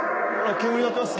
煙なってます。